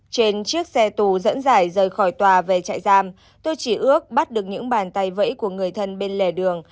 trên chiếc xe tù dẫn giải rời khỏi tòa về trại giam tôi chỉ ước bắt được những bàn tay vẫy của người thân bên lề đường